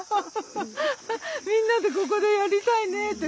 みんなでここでやりたいねって。